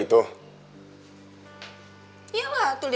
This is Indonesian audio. williams patreon sekarang baru selesai